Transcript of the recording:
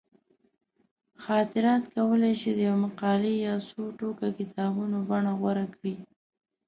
خاطرات کولی شي د یوې مقالې یا څو ټوکه کتابونو بڼه غوره کړي.